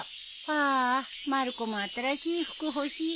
ああまる子も新しい服欲しい。